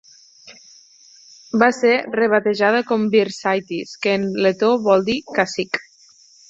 Va ser rebatejada com Virsaitis, que en letó vol dir cacic.